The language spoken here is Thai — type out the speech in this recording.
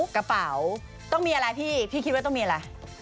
กระเป๋าต้องมีอะไรพี่พี่คิดว่าต้องมีอะไร